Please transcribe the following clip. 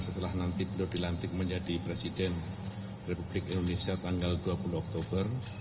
setelah nanti beliau dilantik menjadi presiden republik indonesia tanggal dua puluh oktober